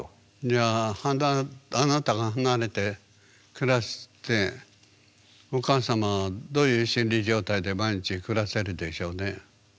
じゃああなたが離れて暮らしてお母様はどういう心理状態で毎日暮らせるでしょうね？